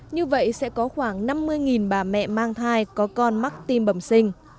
như vậy sẽ có khoảng năm mươi bà mẹ mang thai có con mắc tim bẩm sinh